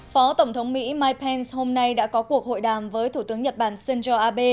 phó tổng thống mỹ mike pence hôm nay đã có cuộc hội đàm với thủ tướng nhật bản shinzo abe